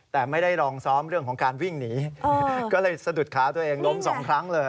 แต่ไม่ได้ลองซ้อมเรื่องของการวิ่งหนีก็เลยสะดุดขาตัวเองล้มสองครั้งเลย